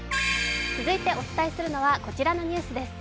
続いてお伝えするのは、こちらのニュースです。